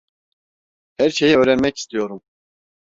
Her şeyi öğrenmek istiyorum.